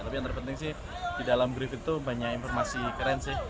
tapi yang terpenting sih di dalam griffith itu banyak informasi keren sih